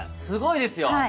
すごいですよ。